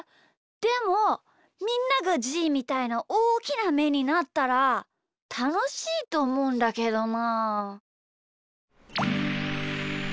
でもみんながじーみたいなおおきなめになったらたのしいとおもうんだけどな。